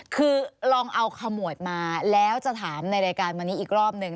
คือลองเอาขมวดมาแล้วจะถามในรายการวันนี้อีกรอบหนึ่ง